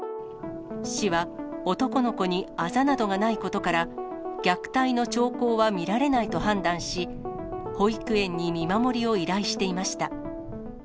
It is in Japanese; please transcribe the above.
市は、男の子にあざなどがないことから、虐待の兆候は見られないと判断し、保育園に見守りを依頼していました。